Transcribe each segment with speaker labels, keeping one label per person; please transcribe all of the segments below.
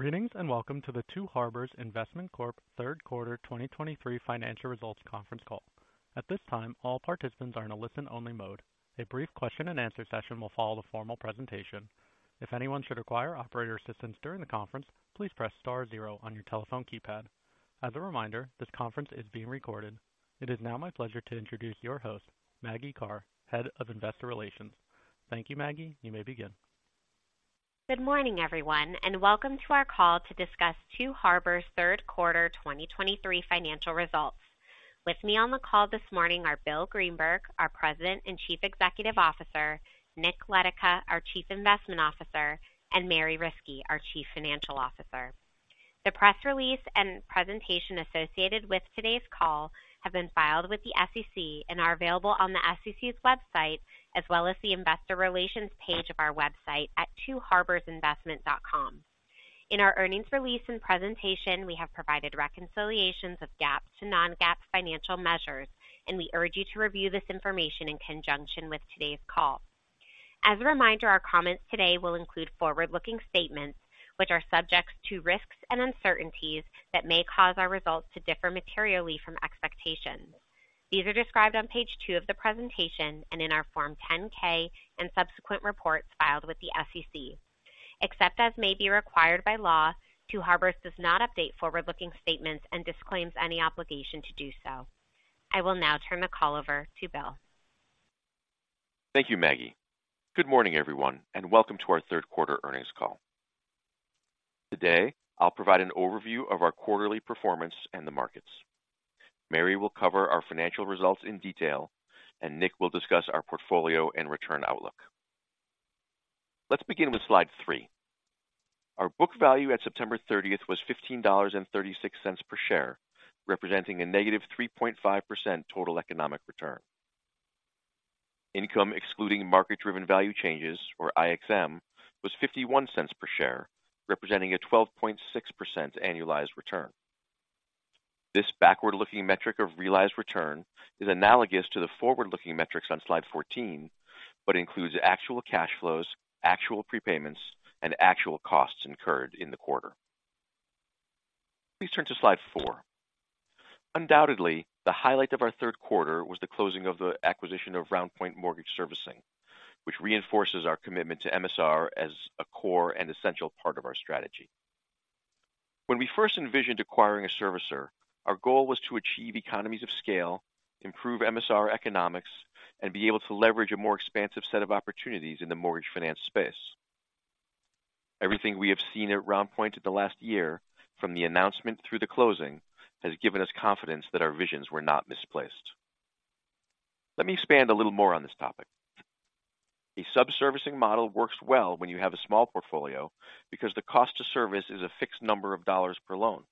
Speaker 1: Greetings, and welcome to the Two Harbors' Investment Corp Q3 2023 financial results conference call. At this time, all participants are in a listen-only mode. A brief question and answer session will follow the formal presentation. If anyone should require operator assistance during the conference, please press star zero on your telephone keypad. As a reminder, this conference is being recorded. It is now my pleasure to introduce your host, Maggie Karr, Head of Investor Relations. Thank you, Maggie. You may begin.
Speaker 2: Good morning, everyone, and welcome to our call to discuss Two Harbors' Q3 2023 financial results. With me on the call this morning are Bill Greenberg, our President and Chief Executive Officer, Nick Letica, our Chief Investment Officer, and Mary Riskey, our Chief Financial Officer. The press release and presentation associated with today's call have been filed with the SEC and are available on the SEC's website, as well as the investor relations page of our website at twoharborsinvestment.com. In our earnings release and presentation, we have provided reconciliations of GAAP to non-GAAP financial measures, and we urge you to review this information in conjunction with today's call. As a reminder, our comments today will include forward-looking statements, which are subject to risks and uncertainties that may cause our results to differ materially from expectations. These are described on page two of the presentation and in our Form 10-K and subsequent reports filed with the SEC. Except as may be required by law, Two Harbors' does not update forward-looking statements and disclaims any obligation to do so. I will now turn the call over to Bill.
Speaker 3: Thank you, Maggie. Good morning, everyone, and welcome to our Q3 earnings call. Today, I'll provide an overview of our quarterly performance and the markets. Mary will cover our financial results in detail, and Nick will discuss our portfolio and return outlook. Let's begin with slide 3. Our book value at September 30th was $15.36 per share, representing a -3.5% total economic return. Income excluding market-driven value changes, or IXM, was $0.51 per share, representing a 12.6% annualized return. This backward-looking metric of realized return is analogous to the forward-looking metrics on slide 14, but includes actual cash flows, actual prepayments, and actual costs incurred in the quarter. Please turn to slide four. Undoubtedly, the highlight of our Q3 was the closing of the acquisition of RoundPoint Mortgage Servicing, which reinforces our commitment to MSR as a core and essential part of our strategy. When we first envisioned acquiring a servicer, our goal was to achieve economies of scale, improve MSR economics, and be able to leverage a more expansive set of opportunities in the mortgage finance space. Everything we have seen at RoundPoint in the last year, from the announcement through the closing, has given us confidence that our visions were not misplaced. Let me expand a little more on this topic. A subservicing model works well when you have a small portfolio because the cost to service is a fixed number of dollars per loan.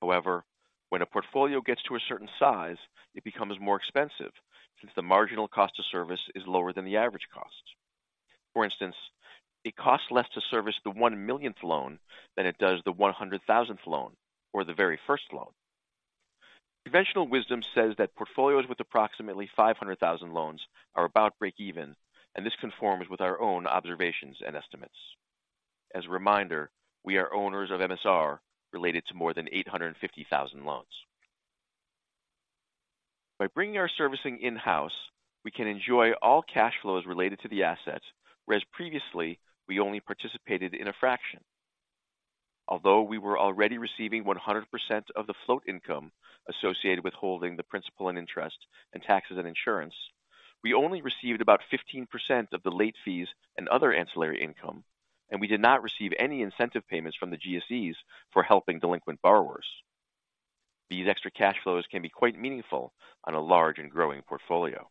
Speaker 3: However, when a portfolio gets to a certain size, it becomes more expensive since the marginal cost of service is lower than the average cost. For instance, it costs less to service the one millionth loan than it does the 100,000th loan or the very first loan. Conventional wisdom says that portfolios with approximately 500,000 loans are about break even, and this conforms with our own observations and estimates. As a reminder, we are owners of MSR, related to more than 850,000 loans. By bringing our servicing in-house, we can enjoy all cash flows related to the assets, whereas previously, we only participated in a fraction. Although we were already receiving 100% of the float income associated with holding the principal and interest in taxes and insurance, we only received about 15% of the late fees and other ancillary income, and we did not receive any incentive payments from the GSEs for helping delinquent borrowers. These extra cash flows can be quite meaningful on a large and growing portfolio.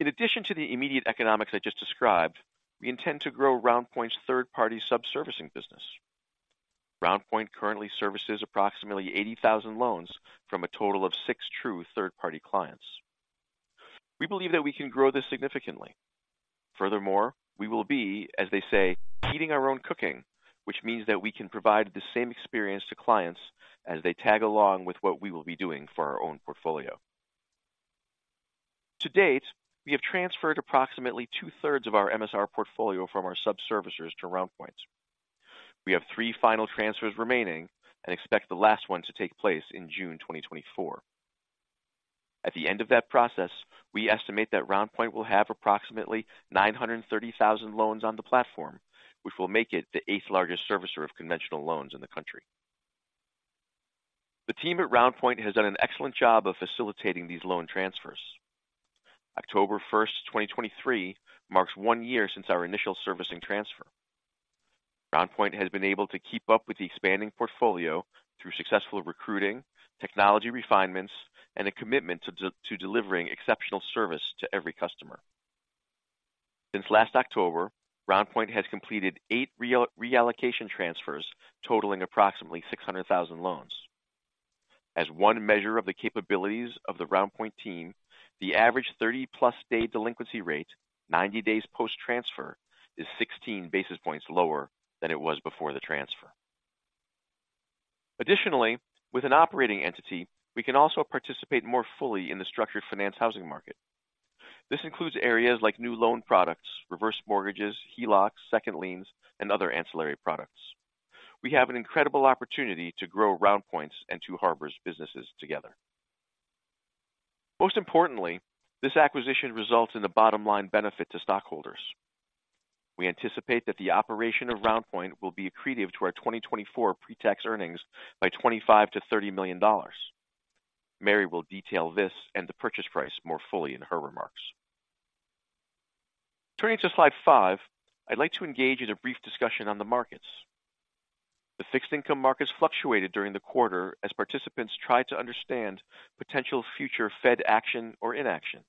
Speaker 3: In addition to the immediate economics I just described, we intend to grow RoundPoint's third-party subservicing business. RoundPoint currently services approximately 80,000 loans from a total of six true third-party clients. We believe that we can grow this significantly. Furthermore, we will be, as they say, eating our own cooking, which means that we can provide the same experience to clients as they tag along with what we will be doing for our own portfolio. To date, we have transferred approximately two-thirds of our MSR portfolio from our subservicers to RoundPoint. We have three final transfers remaining and expect the last one to take place in June 2024. At the end of that process, we estimate that RoundPoint will have approximately 930,000 loans on the platform, which will make it the eighth largest servicer of conventional loans in the country. The team at RoundPoint has done an excellent job of facilitating these loan transfers. October 1, 2023, marks one year since our initial servicing transfer. RoundPoint has been able to keep up with the expanding portfolio through successful recruiting, technology refinements, and a commitment to to delivering exceptional service to every customer. Since last October, RoundPoint has completed eight reallocation transfers, totaling approximately 600,000 loans. As one measure of the capabilities of the RoundPoint team, the average 30+ day delinquency rate, 90 days post-transfer, is 16 basis points lower than it was before the transfer.... Additionally, with an operating entity, we can also participate more fully in the structured finance housing market. This includes areas like new loan products, reverse mortgages, HELOCs, second liens, and other ancillary products. We have an incredible opportunity to grow RoundPoint's and Two Harbors' businesses together. Most importantly, this acquisition results in a bottom-line benefit to stockholders. We anticipate that the operation of RoundPoint will be accretive to our 2024 pre-tax earnings by $25 million-$30 million. Mary will detail this and the purchase price more fully in her remarks. Turning to slide 5, I'd like to engage in a brief discussion on the markets. The fixed-income markets fluctuated during the quarter as participants tried to understand potential future Fed action or inaction.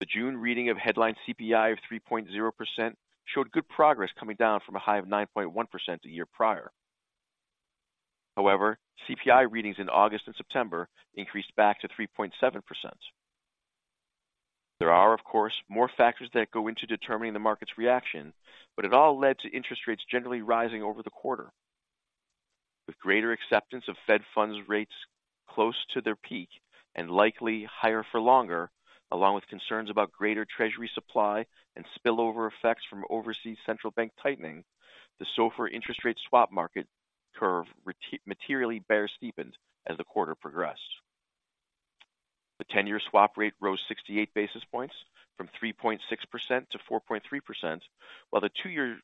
Speaker 3: The June reading of headline CPI of 3.0% showed good progress coming down from a high of 9.1% a year prior. However, CPI readings in August and September increased back to 3.7%. There are, of course, more factors that go into determining the market's reaction, but it all led to interest rates generally rising over the quarter. With greater acceptance of Fed funds rates close to their peak and likely higher for longer, along with concerns about greater Treasury supply and spillover effects from overseas central bank tightening, the SOFR interest rate swap market curve remarkably bear-steepened as the quarter progressed. The 10-year swap rate rose 68 basis points from 3.6%-4.3%, while the two-year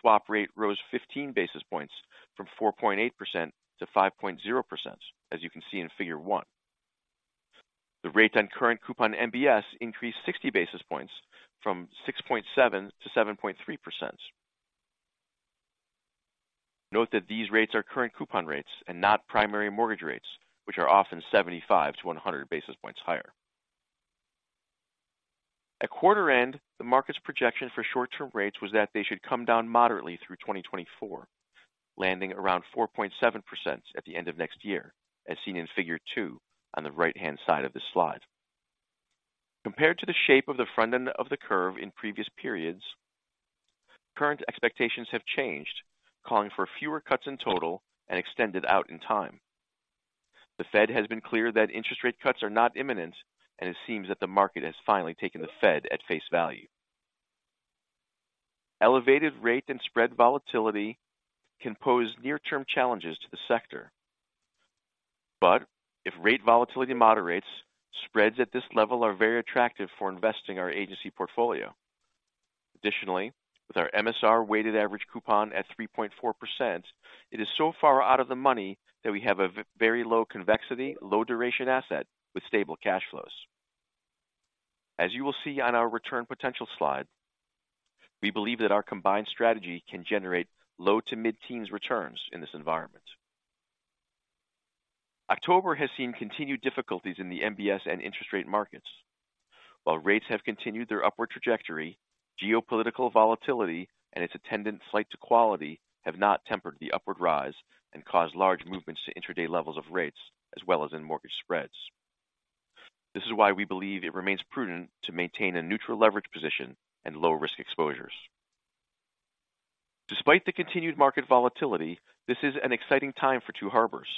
Speaker 3: swap rate rose 15 basis points from 4.8%-5.0% as you can see in Figure one. The rate on current coupon MBS increased 60 basis points from 6.7%-7.3%. Note that these rates are current coupon rates and not primary mortgage rates, which are often 75-100 basis points higher. At quarter end, the market's projection for short-term rates was that they should come down moderately through 2024, landing around 4.7% at the end of next year, as seen in Figure two on the right-hand side of this slide. Compared to the shape of the front end of the curve in previous periods, current expectations have changed, calling for fewer cuts in total and extended out in time. The Fed has been clear that interest rate cuts are not imminent, and it seems that the market has finally taken the Fed at face value. Elevated rate and spread volatility can pose near-term challenges to the sector, but if rate volatility moderates, spreads at this level are very attractive for investing our agency portfolio. Additionally, with our MSR weighted average coupon at 3.4%, it is so far out of the money that we have a very low convexity, low duration asset with stable cash flows. As you will see on our return potential slide, we believe that our combined strategy can generate low to mid-teens returns in this environment. October has seen continued difficulties in the MBS and interest rate markets. While rates have continued their upward trajectory, geopolitical volatility and its attendant flight to quality have not tempered the upward rise and caused large movements to intraday levels of rates as well as in mortgage spreads. This is why we believe it remains prudent to maintain a neutral leverage position and low risk exposures. Despite the continued market volatility, this is an exciting time for Two Harbors'.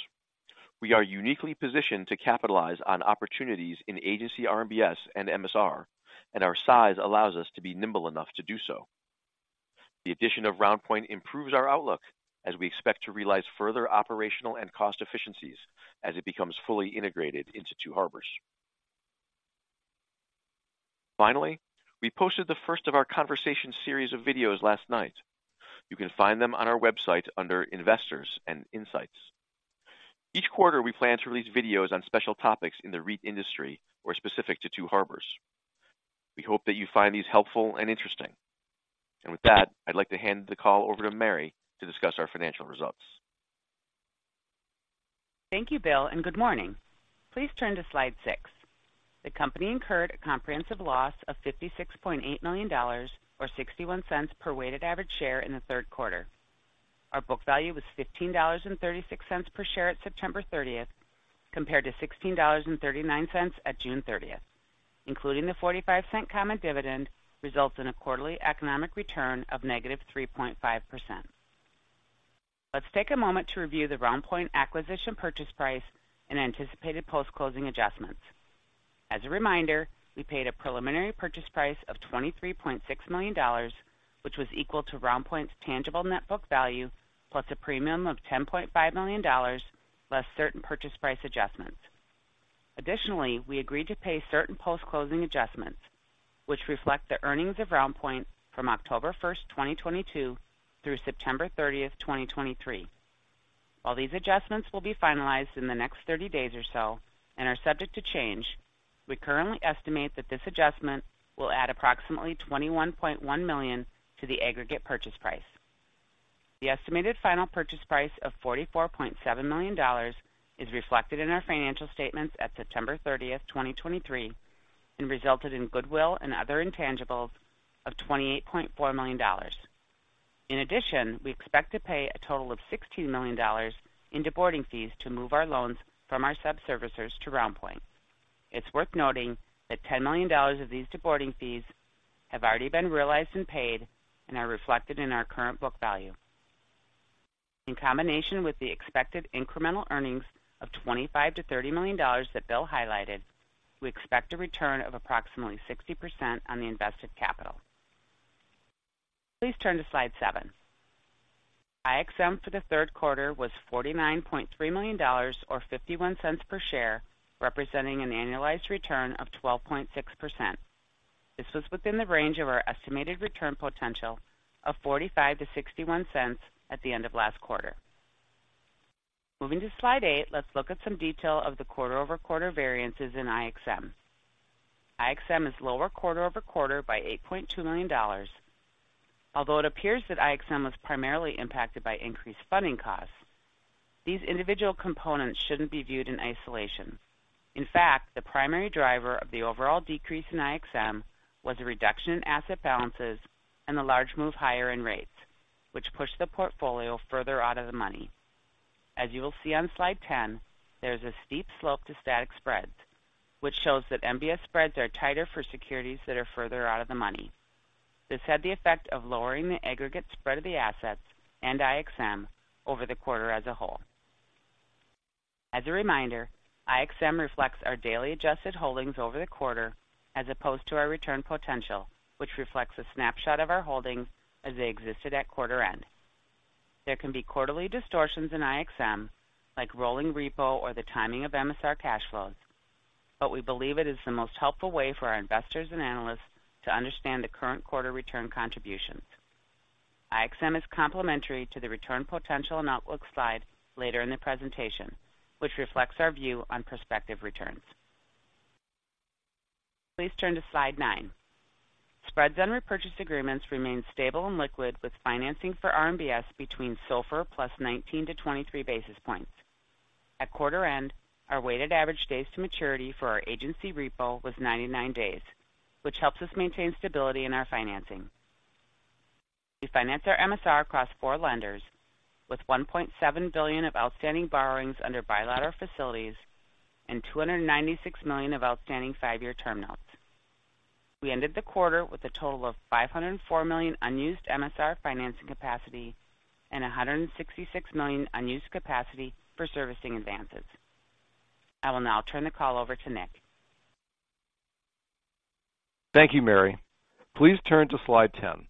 Speaker 3: We are uniquely positioned to capitalize on opportunities in agency RMBS and MSR, and our size allows us to be nimble enough to do so. The addition of RoundPoint improves our outlook as we expect to realize further operational and cost efficiencies as it becomes fully integrated into Two Harbors'. Finally, we posted the first of our conversation series of videos last night. You can find them on our website under Investors and Insights. Each quarter, we plan to release videos on special topics in the REIT industry or specific to Two Harbors'. We hope that you find these helpful and interesting, and with that, I'd like to hand the call over to Mary to discuss our financial results.
Speaker 4: Thank you, Bill, and good morning. Please turn to slide 6. The company incurred a comprehensive loss of $56.8 million, or $0.61 per weighted average share in the Q3. Our book value was $15.36 per share at September 30th, compared to $16.39 at June 30th, including the $0.45 common dividend, results in a quarterly economic return of -3.5%. Let's take a moment to review the RoundPoint acquisition purchase price and anticipated post-closing adjustments. As a reminder, we paid a preliminary purchase price of $23.6 million, which was equal to RoundPoint's tangible net book value, plus a premium of $10.5 million, less certain purchase price adjustments. Additionally, we agreed to pay certain post-closing adjustments, which reflect the earnings of RoundPoint from October 1st, 2022, through September 30th, 2023. While these adjustments will be finalized in the next 30 days or so and are subject to change, we currently estimate that this adjustment will add approximately $21.1 million to the aggregate purchase price. The estimated final purchase price of $44.7 million is reflected in our financial statements at September 30th, 2023, and resulted in goodwill and other intangibles of $28.4 million. In addition, we expect to pay a total of $16 million in deboarding fees to move our loans from our subservicers to RoundPoint. It's worth noting that $10 million of these deboarding fees have already been realized and paid and are reflected in our current book value. In combination with the expected incremental earnings of $25 million-$30 million that Bill highlighted, we expect a return of approximately 60% on the invested capital. Please turn to Slide seven. IXM for the Q3 was $49.3 million, or $0.51 per share, representing an annualized return of 12.6%. This was within the range of our estimated return potential of $0.45-$0.61 at the end of last quarter. Moving to Slide eight, let's look at some detail of the quarter-over-quarter variances in IXM. IXM is lower quarter-over-quarter by $8.2 million. Although it appears that IXM was primarily impacted by increased funding costs, these individual components shouldn't be viewed in isolation. In fact, the primary driver of the overall decrease in IXM was a reduction in asset balances and a large move higher in rates, which pushed the portfolio further out of the money. As you will see on Slide 10, there is a steep slope to static spreads, which shows that MBS spreads are tighter for securities that are further out of the money. This had the effect of lowering the aggregate spread of the assets and IXM over the quarter as a whole. As a reminder, IXM reflects our daily adjusted holdings over the quarter, as opposed to our return potential, which reflects a snapshot of our holdings as they existed at quarter end. There can be quarterly distortions in IXM, like rolling repo or the timing of MSR cash flows, but we believe it is the most helpful way for our investors and analysts to understand the current quarter return contributions. IXM is complementary to the return potential and outlook slide later in the presentation, which reflects our view on prospective returns. Please turn to Slide nine. Spreads and repurchase agreements remain stable and liquid, with financing for RMBS between SOFR plus 19-23 basis points. At quarter end, our weighted average days to maturity for our agency repo was 99 days, which helps us maintain stability in our financing. We finance our MSR across four lenders, with $1.7 billion of outstanding borrowings under bilateral facilities and $296 million of outstanding five-year term notes. We ended the quarter with a total of $504 million unused MSR financing capacity and $166 million unused capacity for servicing advances. I will now turn the call over to Nick.
Speaker 5: Thank you, Mary. Please turn to Slide 10.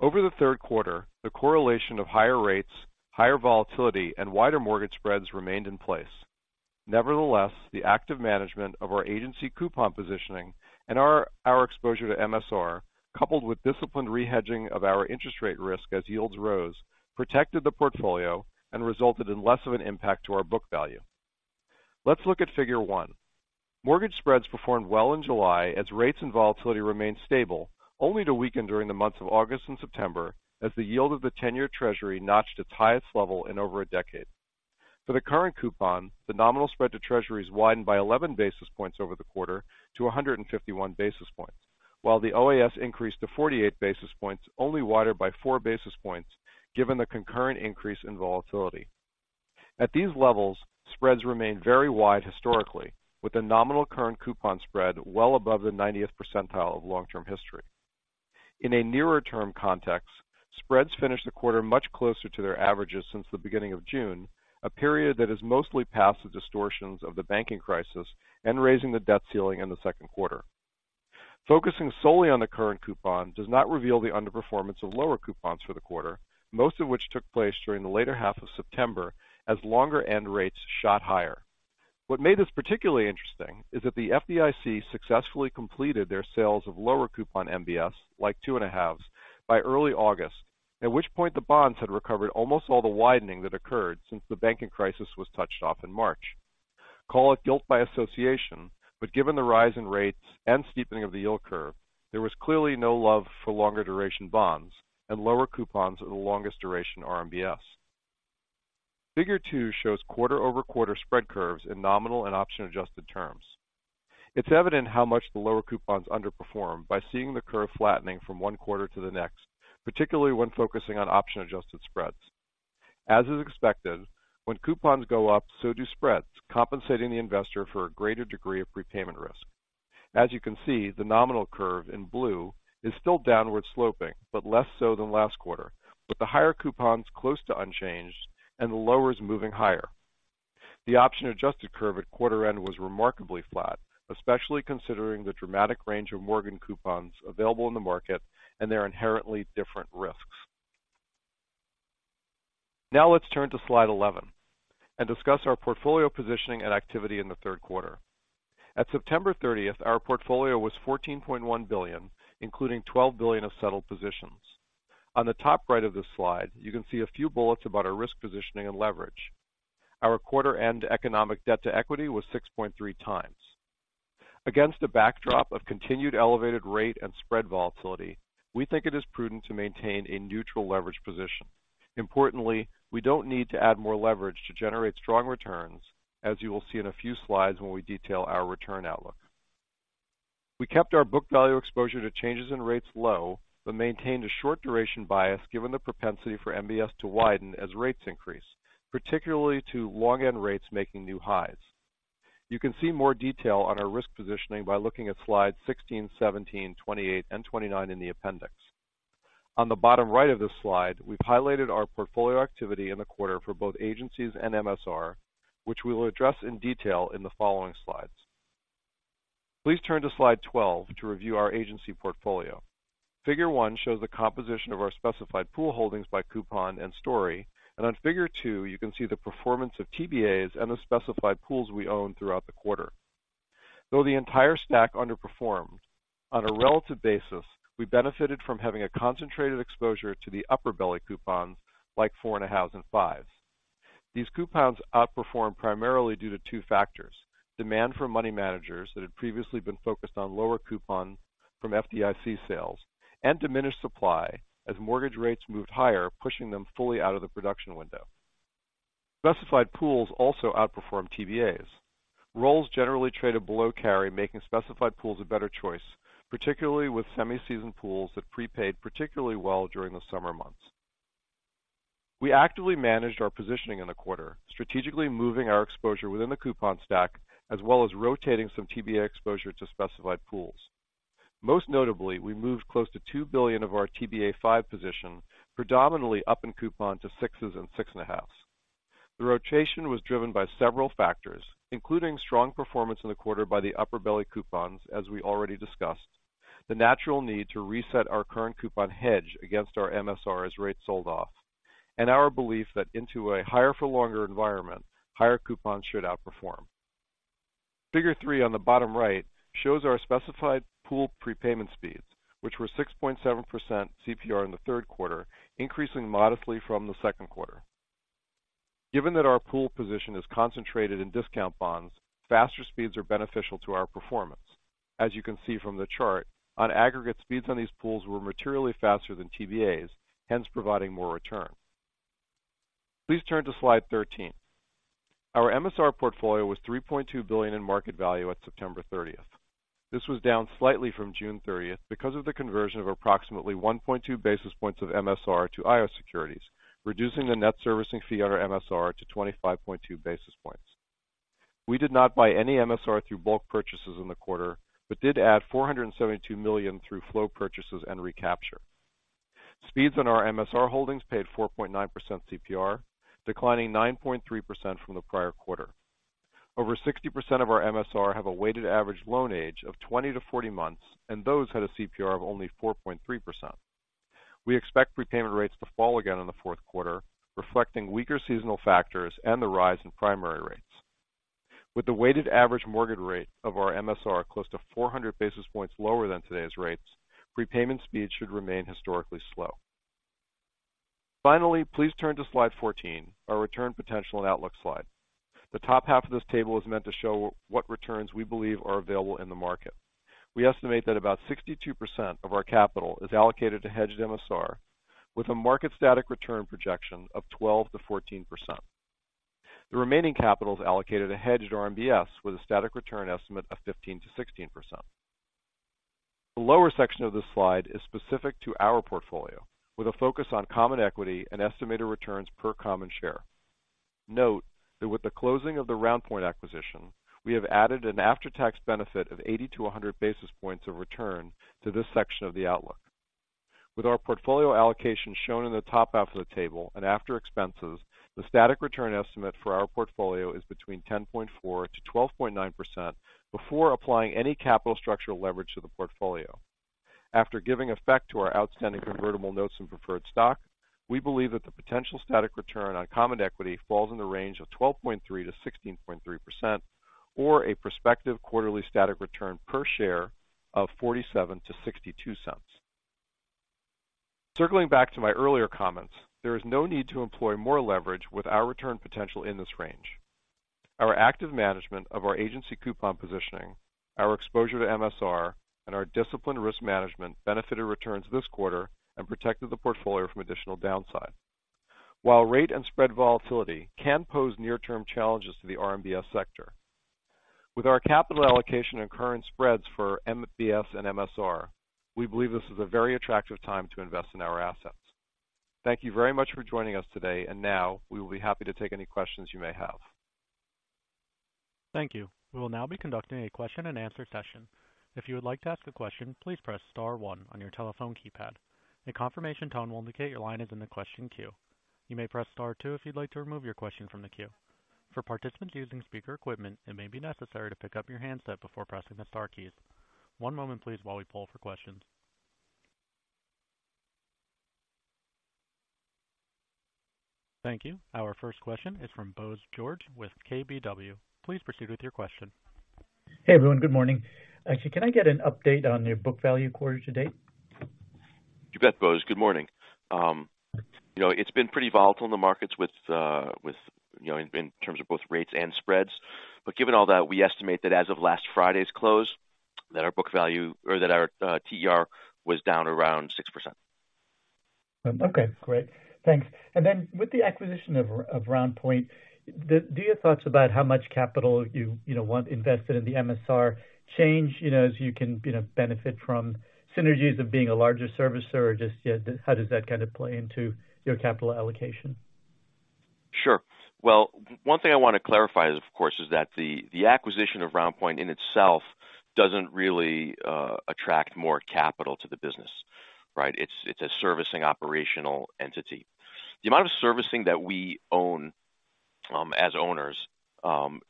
Speaker 5: Over the Q3, the correlation of higher rates, higher volatility, and wider mortgage spreads remained in place. Nevertheless, the active management of our agency coupon positioning and our exposure to MSR, coupled with disciplined re-hedging of our interest rate risk as yields rose, protected the portfolio and resulted in less of an impact to our book value. Let's look at Figure one. Mortgage spreads performed well in July as rates and volatility remained stable, only to weaken during the months of August and September as the yield of the 10-year Treasury notched its highest level in over a decade. For the current coupon, the nominal spread to Treasuries widened by 11 basis points over the quarter to 151 basis points, while the OAS increased to 48 basis points, only wider by four basis points, given the concurrent increase in volatility. At these levels, spreads remained very wide historically, with a nominal current coupon spread well above the 90th percentile of long-term history. In a nearer term context, spreads finished the quarter much closer to their averages since the beginning of June, a period that is mostly past the distortions of the banking crisis and raising the debt ceiling in the Q2. Focusing solely on the current coupon does not reveal the underperformance of lower coupons for the quarter, most of which took place during the later half of September as longer-end rates shot higher. What made this particularly interesting is that the FDIC successfully completed their sales of lower coupon MBS, like two and a halves, by early August, at which point the bonds had recovered almost all the widening that occurred since the banking crisis was touched off in March. Call it guilt by association, but given the rise in rates and steepening of the yield curve, there was clearly no love for longer duration bonds and lower coupons are the longest duration RMBS. Figure two shows quarter-over-quarter spread curves in nominal and option-adjusted terms. It's evident how much the lower coupons underperformed by seeing the curve flattening from one quarter to the next, particularly when focusing on option-adjusted spreads. As is expected, when coupons go up, so do spreads, compensating the investor for a greater degree of prepayment risk. As you can see, the nominal curve in blue is still downward sloping, but less so than last quarter, with the higher coupons close to unchanged and the lowers moving higher. The option-adjusted curve at quarter end was remarkably flat, especially considering the dramatic range of mortgage coupons available in the market and their inherently different risks. Now let's turn to Slide 11 and discuss our portfolio positioning and activity in the Q3. At September 30, our portfolio was $14.1 billion, including $12 billion of settled positions. On the top right of this slide, you can see a few bullets about our risk positioning and leverage. Our quarter end economic debt-to-equity was 6.3x. Against a backdrop of continued elevated rate and spread volatility, we think it is prudent to maintain a neutral leverage position. Importantly, we don't need to add more leverage to generate strong returns, as you will see in a few slides when we detail our return outlook. We kept our book value exposure to changes in rates low, but maintained a short duration bias given the propensity for MBS to widen as rates increase, particularly to long-end rates making new highs.... You can see more detail on our risk positioning by looking at slides 16, 17, 28, and 29 in the appendix. On the bottom right of this slide, we've highlighted our portfolio activity in the quarter for both agencies and MSR, which we will address in detail in the following slides. Please turn to slide 12 to review our agency portfolio. Figure one shows the composition of our specified pool holdings by coupon and story, and on Figure two, you can see the performance of TBAs and the specified pools we own throughout the quarter. Though the entire stack underperformed, on a relative basis, we benefited from having a concentrated exposure to the upper-belly coupons, like 4.5 and 5. These coupons outperformed primarily due to two factors: demand for money managers that had previously been focused on lower coupon from FDIC sales and diminished supply as mortgage rates moved higher, pushing them fully out of the production window. Specified pools also outperformed TBAs. Rolls generally traded below carry, making specified pools a better choice, particularly with semi-seasoned pools that prepaid particularly well during the summer months. We actively managed our positioning in the quarter, strategically moving our exposure within the coupon stack, as well as rotating some TBA exposure to specified pools. Most notably, we moved close to $2 billion of our TBA 5 position, predominantly up in coupon to sixes and six and a halves. The rotation was driven by several factors, including strong performance in the quarter by the upper-belly coupons, as we already discussed, the natural need to reset our current coupon hedge against our MSR as rates sold off, and our belief that into a higher-for-longer environment, higher coupons should outperform. Figure three on the bottom right shows our specified pool prepayment speeds, which were 6.7% CPR in the Q3, increasing modestly from the Q2. Given that our pool position is concentrated in discount bonds, faster speeds are beneficial to our performance. As you can see from the chart, on aggregate, speeds on these pools were materially faster than TBAs, hence providing more return. Please turn to slide 13. Our MSR portfolio was $3.2 billion in market value at September 30. This was down slightly from June 30 because of the conversion of approximately 1.2 basis points of MSR to IO securities, reducing the net servicing fee on our MSR to 25.2 basis points. We did not buy any MSR through bulk purchases in the quarter, but did add $472 million through flow purchases and recapture. Speeds on our MSR holdings paid 4.9% CPR, declining 9.3% from the prior quarter. Over 60% of our MSR have a weighted average loan age of 20-40 months, and those had a CPR of only 4.3%. We expect prepayment rates to fall again in the Q4, reflecting weaker seasonal factors and the rise in primary rates. With the weighted average mortgage rate of our MSR close to 400 basis points lower than today's rates, prepayment speeds should remain historically slow. Finally, please turn to slide 14, our return potential and outlook slide. The top half of this table is meant to show what returns we believe are available in the market. We estimate that about 62% of our capital is allocated to hedged MSR, with a market static return projection of 12%-14%. The remaining capital is allocated to hedged RMBS, with a static return estimate of 15%-16%. The lower section of this slide is specific to our portfolio, with a focus on common equity and estimated returns per common share. Note that with the closing of the RoundPoint acquisition, we have added an after-tax benefit of 80-100 basis points of return to this section of the outlook. With our portfolio allocation shown in the top half of the table and after expenses, the static return estimate for our portfolio is between 10.4%-12.9% before applying any capital structural leverage to the portfolio. After giving effect to our outstanding convertible notes and preferred stock, we believe that the potential static return on common equity falls in the range of 12.3%-16.3% or a prospective quarterly static return per share of $0.47-$0.62. Circling back to my earlier comments, there is no need to employ more leverage with our return potential in this range. Our active management of our agency coupon positioning, our exposure to MSR, and our disciplined risk management benefited returns this quarter and protected the portfolio from additional downside. While rate and spread volatility can pose near-term challenges to the RMBS sector, with our capital allocation and current spreads for MBS and MSR, we believe this is a very attractive time to invest in our assets. Thank you very much for joining us today, and now we will be happy to take any questions you may have.
Speaker 1: Thank you. We will now be conducting a question-and-answer session. If you would like to ask a question, please press star one on your telephone keypad. A confirmation tone will indicate your line is in the question queue. You may press star two if you'd like to remove your question from the queue. For participants using speaker equipment, it may be necessary to pick up your handset before pressing the star keys. One moment, please, while we poll for questions. Thank you. Our first question is from Bose George with KBW. Please proceed with your question.
Speaker 6: Hey, everyone. Good morning. Actually, can I get an update on your book value quarter to date?
Speaker 3: You bet, Bose. Good morning. You know, it's been pretty volatile in the markets with, with, you know, in, in terms of both rates and spreads. But given all that, we estimate that as of last Friday's close, that our book value or that our, TER was down around 6%.
Speaker 6: Okay, great. Thanks. And then with the acquisition of RoundPoint, do your thoughts about how much capital you know want invested in the MSR change, you know, as you can, you know, benefit from synergies of being a larger servicer? Or just yeah, how does that kind of play into your capital allocation?...
Speaker 3: Sure. Well, one thing I want to clarify is, of course, is that the, the acquisition of RoundPoint in itself doesn't really attract more capital to the business, right? It's, it's a servicing operational entity. The amount of servicing that we own, as owners,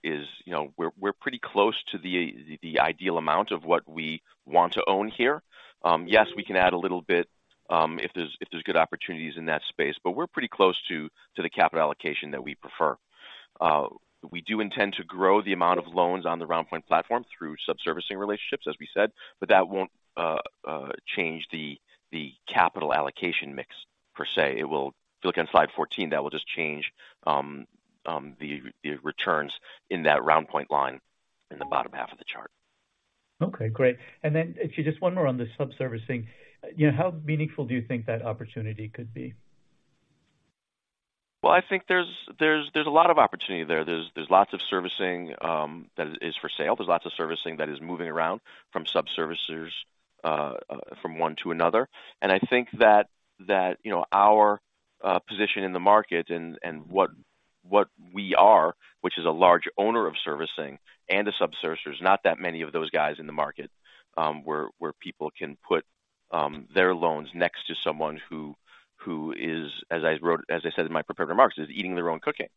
Speaker 3: is, you know, we're, we're pretty close to the, the ideal amount of what we want to own here. Yes, we can add a little bit, if there's, if there's good opportunities in that space, but we're pretty close to, to the capital allocation that we prefer. We do intend to grow the amount of loans on the RoundPoint platform through sub-servicing relationships, as we said, but that won't change the, the capital allocation mix per se. It will—if you look on slide 14, that will just change the returns in that RoundPoint line in the bottom half of the chart.
Speaker 6: Okay, great. And then actually just one more on the subservicing. You know, how meaningful do you think that opportunity could be?
Speaker 3: Well, I think there's a lot of opportunity there. There's lots of servicing that is for sale. There's lots of servicing that is moving around from subservicers from one to another. And I think that, you know, our position in the market and what we are, which is a large owner of servicing and a subservicer, there's not that many of those guys in the market, where people can put their loans next to someone who is, as I said in my prepared remarks, is eating their own cooking,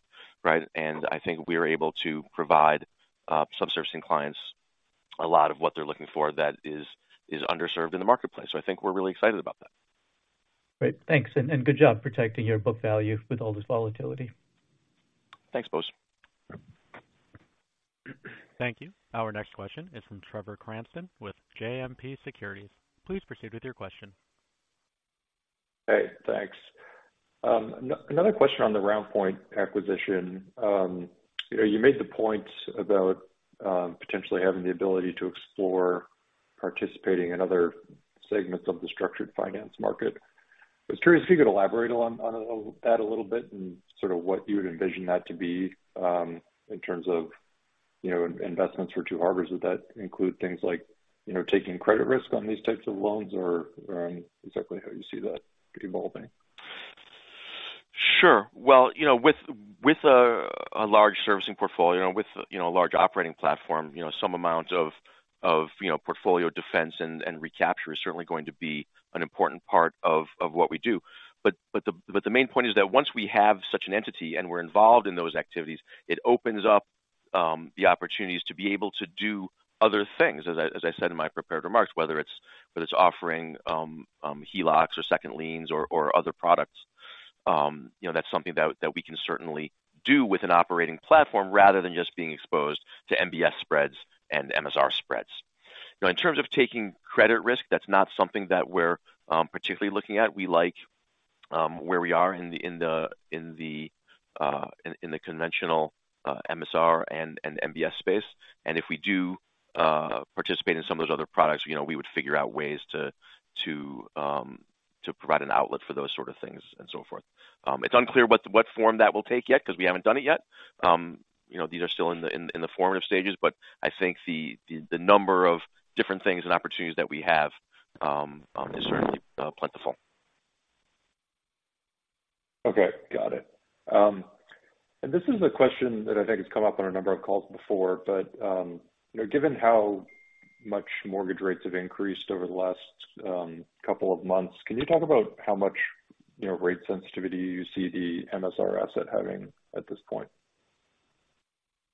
Speaker 3: right? And I think we are able to provide sub-servicing clients a lot of what they're looking for that is underserved in the marketplace. So I think we're really excited about that.
Speaker 6: Great. Thanks, and good job protecting your book value with all this volatility.
Speaker 3: Thanks, Bose.
Speaker 1: Thank you. Our next question is from Trevor Cranston with JMP Securities. Please proceed with your question.
Speaker 7: Hey, thanks. Another question on the RoundPoint acquisition. You know, you made the point about potentially having the ability to explore participating in other segments of the structured finance market. I was curious if you could elaborate on that a little bit and sort of what you would envision that to be in terms of, you know, investments for Two Harbors'. Would that include things like, you know, taking credit risk on these types of loans or exactly how you see that evolving?
Speaker 3: Sure. Well, you know, with a large servicing portfolio, with, you know, a large operating platform, you know, some amount of portfolio defense and recapture is certainly going to be an important part of what we do. But the main point is that once we have such an entity and we're involved in those activities, it opens up the opportunities to be able to do other things, as I said in my prepared remarks, whether it's offering HELOCs or second liens or other products. You know, that's something that we can certainly do with an operating platform rather than just being exposed to MBS spreads and MSR spreads. Now, in terms of taking credit risk, that's not something that we're particularly looking at. We like where we are in the conventional MSR and MBS space. And if we do participate in some of those other products, you know, we would figure out ways to provide an outlet for those sort of things and so forth. It's unclear what form that will take yet because we haven't done it yet. You know, these are still in the formative stages, but I think the number of different things and opportunities that we have is certainly plentiful.
Speaker 7: Okay, got it. This is a question that I think has come up on a number of calls before, but, you know, given how much mortgage rates have increased over the last couple of months, can you talk about how much, you know, rate sensitivity you see the MSR asset having at this point?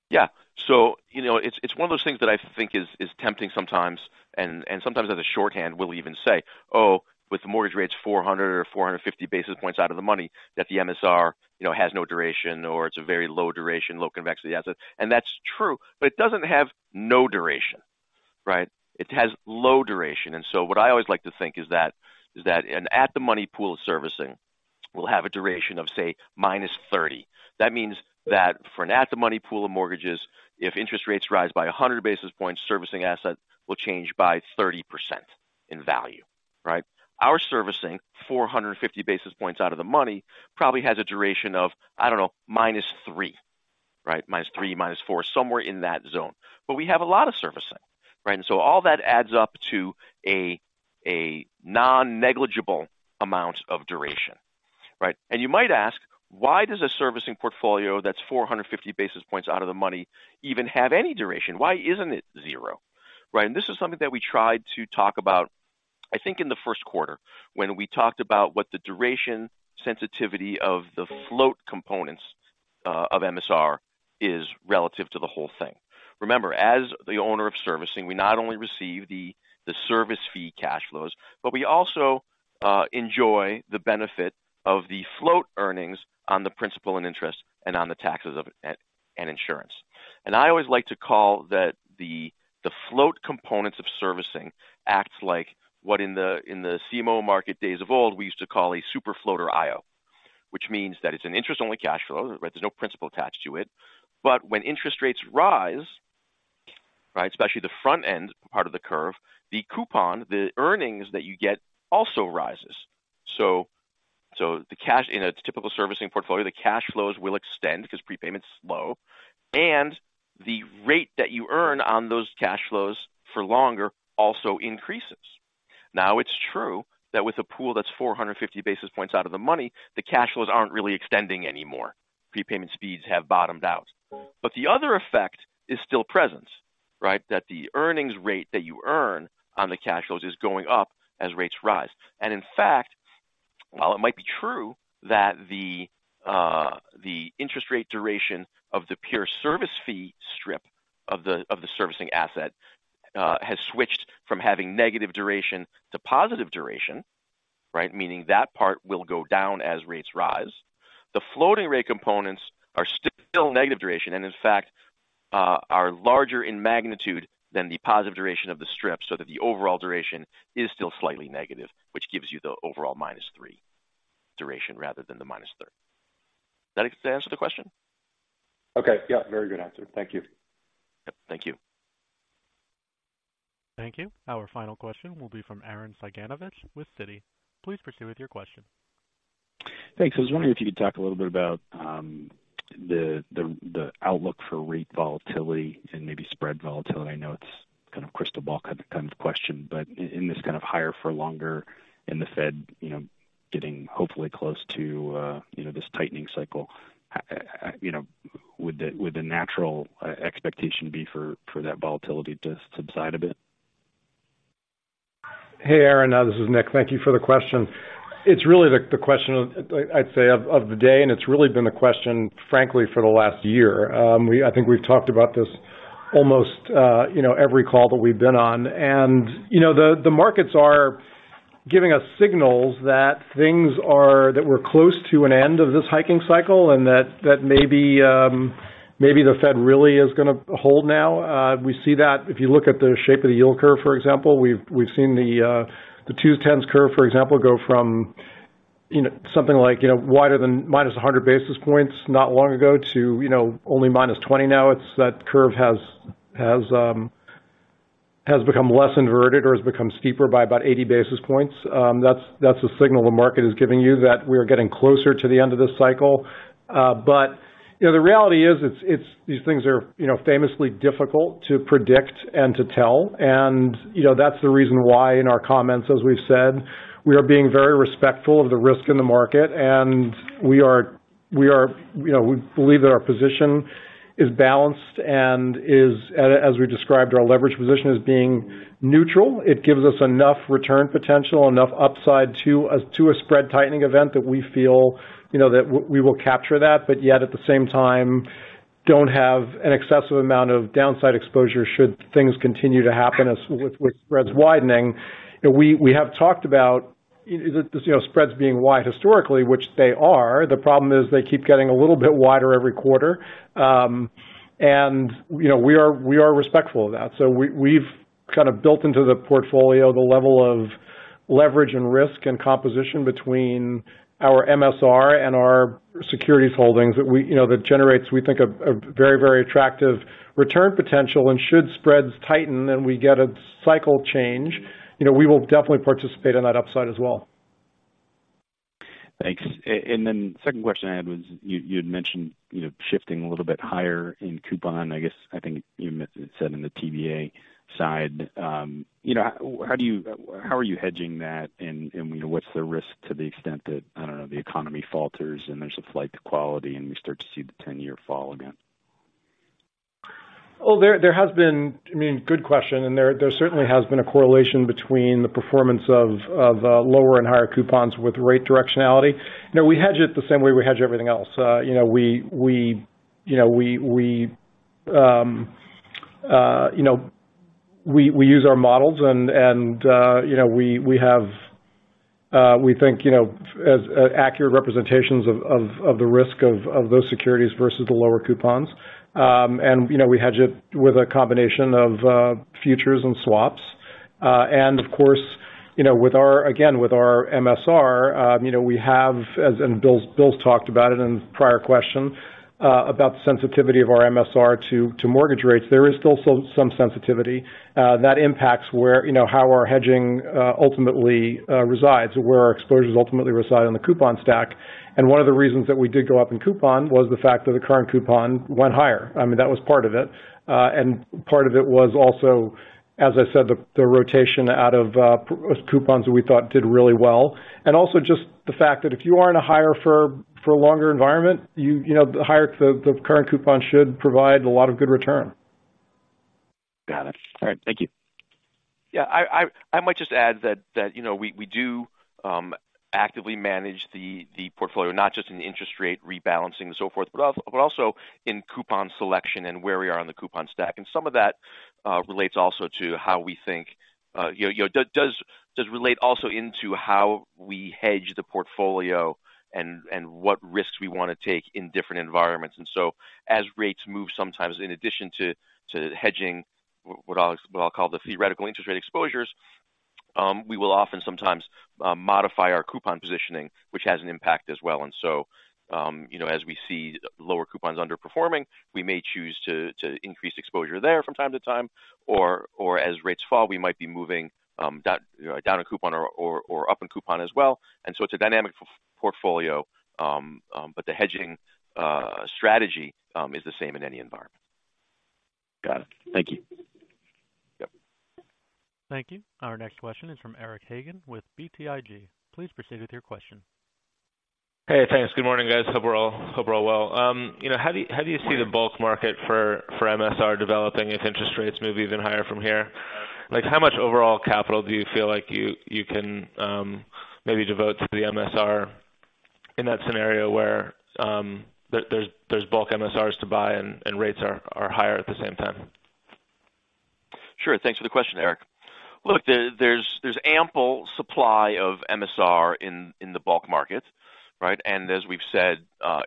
Speaker 3: Yeah. So you know, it's one of those things that I think is tempting sometimes, and sometimes as a shorthand, we'll even say, "Oh, with the mortgage rates 400 or 450 basis points out of the money, that the MSR, you know, has no duration or it's a very low duration, low convexity asset." And that's true, but it doesn't have no duration, right? It has low duration. And so what I always like to think is that an at-the-money pool of servicing will have a duration of, say, -30. That means that for an at-the-money pool of mortgages, if interest rates rise by 100 basis points, servicing assets will change by 30% in value, right? Our servicing, 450 basis points out of the money, probably has a duration of, I don't know, -3, right? -3, -4, somewhere in that zone. But we have a lot of servicing, right? And so all that adds up to a, a non-negligible amount of duration, right? And you might ask, why does a servicing portfolio that's 450 basis points out of the money even have any duration? Why isn't it zero, right? And this is something that we tried to talk about, I think, in the Q1, when we talked about what the duration sensitivity of the float components, of MSR is relative to the whole thing. Remember, as the owner of servicing, we not only receive the service fee cash flows, but we also enjoy the benefit of the float earnings on the principal and interest and on the taxes of it and insurance. And I always like to call that the float components of servicing acts like what in the CMO market days of old, we used to call a super floater IO, which means that it's an interest-only cash flow, right? There's no principal attached to it. But when interest rates rise, right, especially the front end part of the curve, the coupon, the earnings that you get also rises. So the cash in a typical servicing portfolio, the cash flows will extend because prepayment is low, and the rate that you earn on those cash flows for longer also increases. Now, it's true that with a pool that's 450 basis points out of the money, the cash flows aren't really extending anymore. Prepayment speeds have bottomed out. But the other effect is still present, right? That the earnings rate that you earn on the cash flows is going up as rates rise. And in fact, while it might be true that the interest rate duration of the pure service fee strip of the servicing asset has switched from having negative duration to positive duration, right? Meaning that part will go down as rates rise. The floating rate components are still negative duration, and in fact, are larger in magnitude than the positive duration of the strip, so that the overall duration is still slightly negative, which gives you the overall -3 duration rather than the -30. Does that answer the question?
Speaker 5: Okay. Yeah, very good answer. Thank you.
Speaker 3: Yep. Thank you.
Speaker 1: Thank you. Our final question will be from Arren Cyganovich with Citi. Please proceed with your question.
Speaker 8: Thanks. I was wondering if you could talk a little bit about the outlook for rate volatility and maybe spread volatility. I know it's kind of crystal ball kind of question, but in this kind of higher for longer and the Fed, you know, getting hopefully close to, you know, this tightening cycle, you know, would the natural expectation be for that volatility to subside a bit?
Speaker 5: Hey, Aaron, this is Nick. Thank you for the question. It's really the question of, I'd say, the day, and it's really been a question, frankly, for the last year. I think we've talked about this almost, you know, every call that we've been on. And, you know, the markets are giving us signals that things are that we're close to an end of this hiking cycle and that maybe the Fed really is going to hold now. We see that if you look at the shape of the yield curve, for example, we've seen the 2s10s curve, for example, go from, you know, something like wider than minus 100 basis points not long ago to only minus 20 now. It's that curve has become less inverted or has become steeper by about 80 basis points. That's a signal the market is giving you that we are getting closer to the end of this cycle. But, you know, the reality is, it's these things are, you know, famously difficult to predict and to tell. And, you know, that's the reason why, in our comments, as we've said, we are being very respectful of the risk in the market, and we are, you know, we believe that our position is balanced and is, as we described, our leverage position as being neutral. It gives us enough return potential, enough upside to a spread tightening event that we feel, you know, that we will capture that, but yet at the same time, don't have an excessive amount of downside exposure should things continue to happen as with spreads widening. We have talked about, you know, spreads being wide historically, which they are. The problem is they keep getting a little bit wider every quarter. And, you know, we are respectful of that. So we've kind of built into the portfolio the level of leverage and risk and composition between our MSR and our securities holdings that we, you know, that generates, we think, a very attractive return potential. And should spreads tighten and we get a cycle change, you know, we will definitely participate in that upside as well.
Speaker 8: Thanks. And then the second question I had was, you'd mentioned, you know, shifting a little bit higher in coupon. I guess, I think you said in the TBA side. You know, how are you hedging that? And, you know, what's the risk to the extent that, I don't know, the economy falters and there's a flight to quality, and we start to see the 10-year fall again?
Speaker 5: Well, there has been... I mean, good question, and there certainly has been a correlation between the performance of lower and higher coupons with rate directionality. You know, we hedge it the same way we hedge everything else. You know, we use our models and, you know, we have, we think, you know, as accurate representations of the risk of those securities versus the lower coupons. And, you know, we hedge it with a combination of futures and swaps. And of course, you know, with our - again, with our MSR, you know, we have as - and Bill, Bill's talked about it in prior question, about the sensitivity of our MSR to mortgage rates. There is still some sensitivity that impacts where, you know, how our hedging ultimately resides, where our exposures ultimately reside on the coupon stack. One of the reasons that we did go up in coupon was the fact that the current coupon went higher. I mean, that was part of it. And part of it was also, as I said, the rotation out of coupons that we thought did really well. And also just the fact that if you are in a higher for longer environment, you know, the higher the current coupon should provide a lot of good return.
Speaker 8: Got it. All right. Thank you.
Speaker 3: Yeah, I might just add that, you know, we do actively manage the portfolio, not just in the interest rate rebalancing and so forth, but also in coupon selection and where we are on the coupon stack. And some of that relates also to how we think, you know, does relate also into how we hedge the portfolio and what risks we want to take in different environments. And so as rates move sometimes in addition to hedging, what I'll call the theoretical interest rate exposures, we will often sometimes modify our coupon positioning, which has an impact as well. And so, you know, as we see lower coupons underperforming, we may choose to increase exposure there from time to time, or as rates fall, we might be moving down, you know, down in coupon or up in coupon as well. And so it's a dynamic portfolio, but the hedging strategy is the same in any environment....
Speaker 8: Got it. Thank you. Yep.
Speaker 1: Thank you. Our next question is from Eric Hagen with BTIG. Please proceed with your question.
Speaker 9: Hey, thanks. Good morning, guys. Hope we're all, hope we're all well. You know, how do you, how do you see the bulk market for MSR developing if interest rates move even higher from here? Like, how much overall capital do you feel like you, you can maybe devote to the MSR in that scenario where there, there's, there's bulk MSRs to buy and rates are higher at the same time?
Speaker 3: Sure. Thanks for the question, Eric. Look, there's ample supply of MSR in the bulk market, right? And as we've said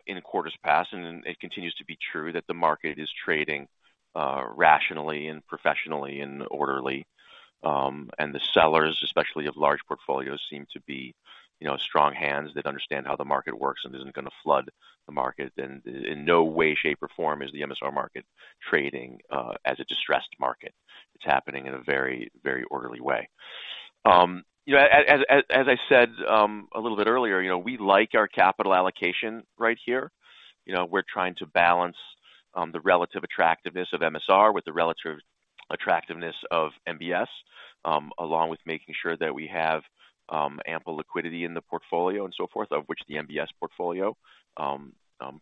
Speaker 3: in quarters past, and it continues to be true that the market is trading rationally and professionally and orderly. And the sellers, especially of large portfolios, seem to be, you know, strong hands that understand how the market works and isn't going to flood the market. And in no way, shape, or form is the MSR market trading as a distressed market. It's happening in a very, very orderly way. You know, as I said a little bit earlier, you know, we like our capital allocation right here. You know, we're trying to balance the relative attractiveness of MSR with the relative attractiveness of MBS, along with making sure that we have ample liquidity in the portfolio and so forth, of which the MBS portfolio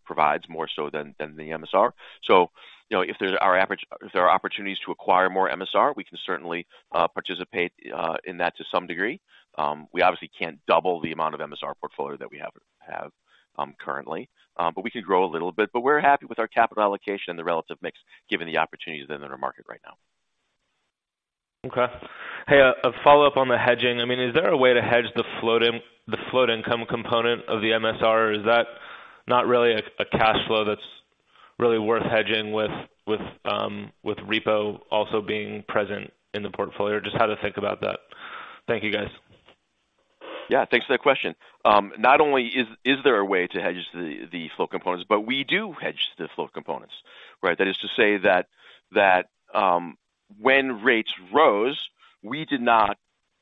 Speaker 3: provides more so than the MSR. So, you know, if there are opportunities to acquire more MSR, we can certainly participate in that to some degree. We obviously can't double the amount of MSR portfolio that we have currently, but we can grow a little bit. But we're happy with our capital allocation and the relative mix given the opportunities that are in our market right now.
Speaker 9: Okay. Hey, a follow-up on the hedging. I mean, is there a way to hedge the float—the float income component of the MSR, or is that not really a cash flow that's really worth hedging with, with, with repo also being present in the portfolio? Just how to think about that. Thank you, guys.
Speaker 3: Yeah, thanks for that question. Not only is there a way to hedge the flow components, but we do hedge the flow components, right? That is to say that when rates rose, we did not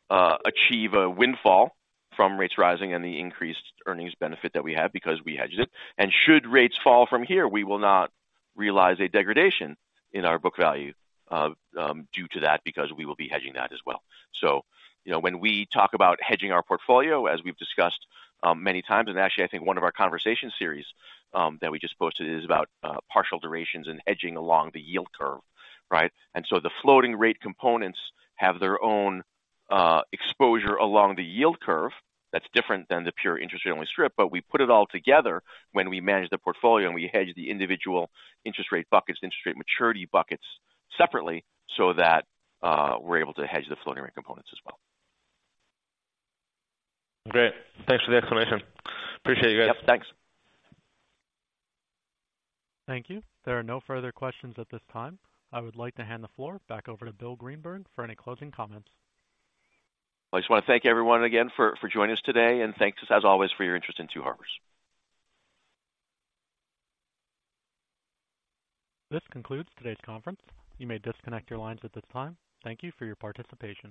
Speaker 3: achieve a windfall from rates rising and the increased earnings benefit that we had because we hedged it. And should rates fall from here, we will not realize a degradation in our book value due to that, because we will be hedging that as well. So, you know, when we talk about hedging our portfolio, as we've discussed many times, and actually, I think one of our conversation series that we just posted is about partial durations and hedging along the yield curve, right? And so the floating rate components have their own exposure along the yield curve. That's different than the pure interest rate-only strip, but we put it all together when we manage the portfolio, and we hedge the individual interest rate buckets, interest rate maturity buckets separately, so that we're able to hedge the floating rate components as well.
Speaker 9: Great. Thanks for the explanation. Appreciate you guys.
Speaker 3: Yep, thanks.
Speaker 1: Thank you. There are no further questions at this time. I would like to hand the floor back over to Bill Greenberg for any closing comments.
Speaker 3: I just want to thank everyone again for joining us today, and thanks as always, for your interest in Two Harbors'.
Speaker 1: This concludes today's conference. You may disconnect your lines at this time. Thank you for your participation.